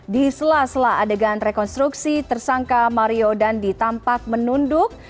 di sela sela adegan rekonstruksi tersangka mario dandi tampak menunduk